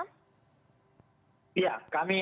ya betul itu juga ditemukan oleh teman teman komnas ham